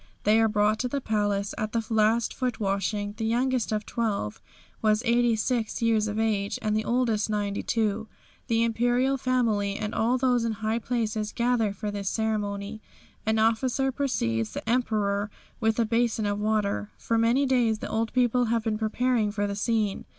They are brought to the palace. At the last foot washing the youngest of the twelve was 86 years of age, and the oldest 92. The Imperial family and all those in high places gather for this ceremony. An officer precedes the Emperor with a basin of water. For many days the old people have been preparing for the scene.